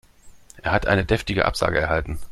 Er hat eine deftige Absage erhalten.